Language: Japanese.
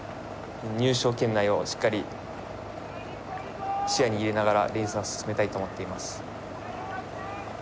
入賞圏内をしっかり、視野に入れながらレースを進めたいと思っています。